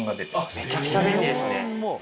めちゃくちゃ便利ですね。